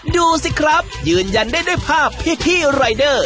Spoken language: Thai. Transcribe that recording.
ดูสิครับยืนยันได้ด้วยภาพพี่รายเดอร์